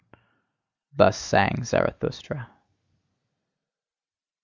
Thus sang Zarathustra.